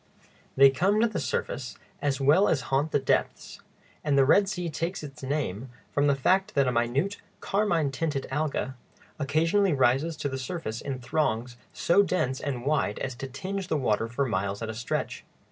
They come to the surface as well as haunt the depths; and the Red Sea takes its name from the fact that a minute carmine tinted alga occasionally rises to the surface in throngs so dense and wide as to tinge the water for miles at a stretch.